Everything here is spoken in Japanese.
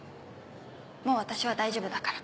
もう私は大丈夫だから。